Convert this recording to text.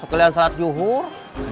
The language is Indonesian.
setelah yang salat yuhur